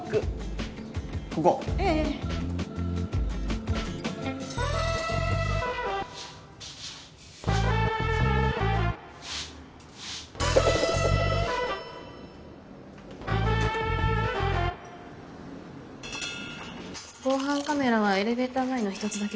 ええ防犯カメラはエレベーター前の１つだけ？